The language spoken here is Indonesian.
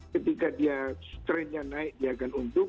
ketika dia trendnya naik dia akan untung